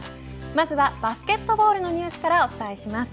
まずはバスケットボールのニュースからお伝えします。